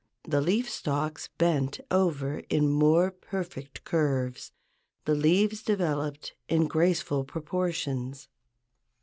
The leaf stalks bent over in more perfect curves: the leaves developed in graceful proportions.